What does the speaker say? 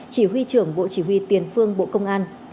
chỉ huy trưởng bộ chỉ huy tiền phương bộ công an